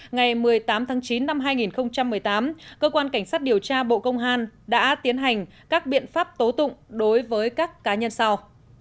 ngày một mươi tám tháng chín năm hai nghìn một mươi tám cơ quan cảnh sát điều tra bộ công an đã tiến hành các biện pháp tố tụng đối với các cá nhân sau